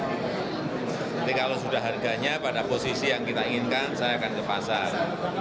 nanti kalau sudah harganya pada posisi yang kita inginkan saya akan ke pasar